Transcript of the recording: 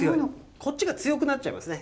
こっちが強くなっちゃいますね